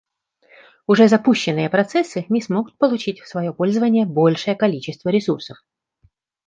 Уже запущенные процессы не смогут получить в свое пользование большее количество ресурсов